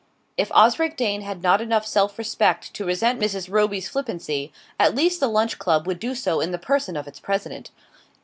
If Osric Dane had not enough self respect to resent Mrs. Roby's flippancy, at least the Lunch Club would do so in the person of its President.